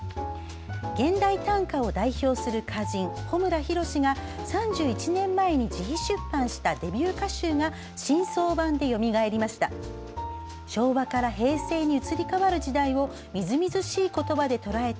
現代短歌を代表する歌人穂村弘が３１年前に自費出版したデビュー歌集が新装版でよみがえりました。